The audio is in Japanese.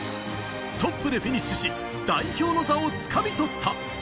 トップでフィニッシュし、代表の座を掴み取った。